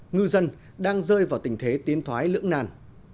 ngư dân đang rơi vào tình thế tiến thoái lưỡng nàn